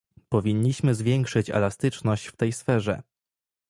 Powinniśmy zwiększyć elastyczność w tej sferze